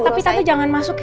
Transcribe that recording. tapi tante jangan masuk ya